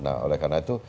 nah oleh karena itu